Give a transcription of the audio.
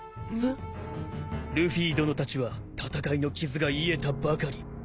ルフィ殿たちは戦いの傷が癒えたばかり。